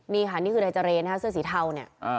นี่ค่ะนี่คือนายเจรนะฮะเสื้อสีเทาเนี่ย